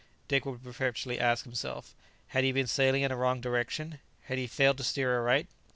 Dick would perpetually ask himself: had he been sailing in a wrong direction? had he failed to steer aright?